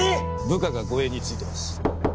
部下が護衛についてます。